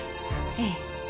ええ。